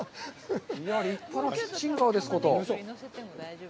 立派なキッチンカーですこと。